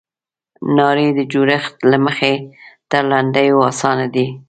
نارې د جوړښت له مخې تر لنډیو اسانه دي.